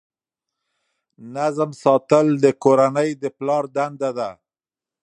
نظم ساتل د کورنۍ د پلار دنده ده.